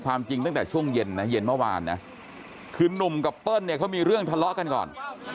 จริงตั้งแต่ช่วงเย็นนะเย็นเมื่อวานนะคือนุ่มกับเปิ้ลเนี่ยเขามีเรื่องทะเลาะกันก่อน